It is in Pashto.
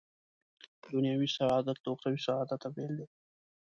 دنیوي سعادت له اخروي سعادته بېل دی.